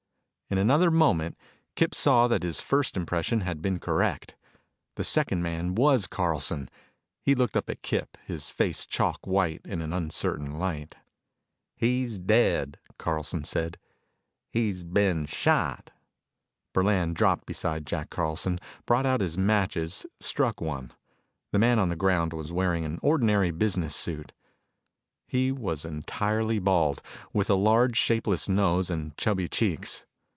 In another moment, Kip saw that his first impression had been correct. The second man was Carlson. He looked up at Kip, his face chalk white in the uncertain light. "He's dead," Carlson said. "He's been shot." Burland dropped beside Jack Carlson, brought out his matches, struck one. The man on the ground was wearing an ordinary business suit. He was entirely bald, with a large, shapeless nose and chubby cheeks.